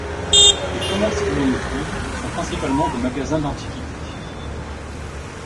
Les commerces que l'on y trouve sont principalement des magasins d'antiquités.